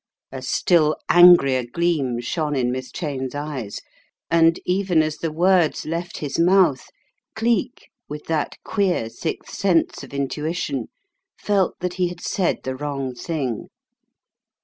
A still angrier gleam shone in Miss Cheyne's eyes, and even as the words left his mouth, Cleek, with that queer sixth sense of intution, felt that he had said the wrong thing.